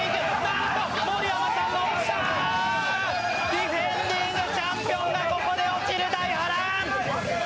ディフェンディングチャンピオンがここで落ちる大波乱！